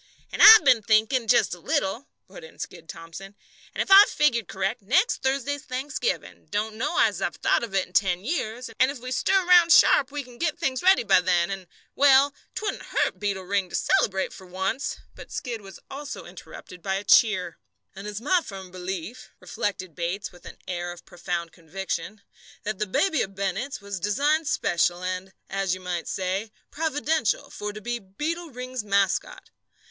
"And I've been thinking, just a little," put in Skid Thomson, "and if I've figured correct, next Thursday's Thanksgiving don't know as I've thought of it in ten years and if we stir round sharp we can get things ready by then, and well, 'twouldn't hurt Beetle Ring to celebrate for once " But Skid was also interrupted by a cheer. "And it's my firm belief," reflected Bates with an air of profound conviction, "that that baby of Bennett's was designed special and, as you might say, providential, for to be Beetle Ring's mascot.